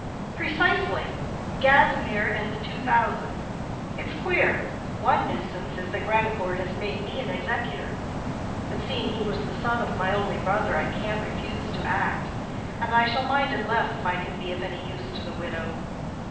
"Precisely—Gadsmere and the two thousand. It's queer. One nuisance is that Grandcourt has made me an executor; but seeing he was the son of my only brother, I can't refuse to act. And I shall mind it less if I can be of any use to the widow.